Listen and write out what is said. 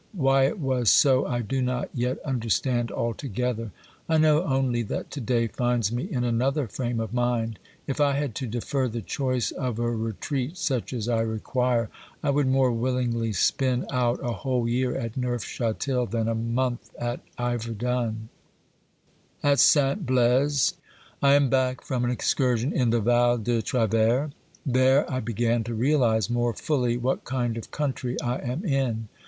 Why it was so I do not yet understand altogether ; I know only that to day finds me in another frame of mind. If I had to defer the choice of a retreat such as I require, I would more willingly spin out a whole year at Neufchatel than a month at Iverdun. B 1 8 OBERMANN At Saint Blaisb. I am back from an excursion in the Val de Travers. There I began to realise more fully what kind of country I am in.